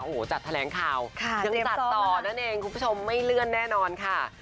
โอ้โหจัดแถลงข่าวยังตัดต่อนั่นเองคุณผู้ชมไม่เลื่อนแน่นอนค่ะ